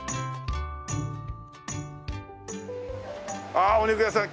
ああお肉屋さん！